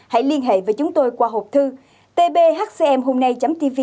hãy liên hệ với chúng tôi qua hộp thư tbhcmhômnay tvacomgmail com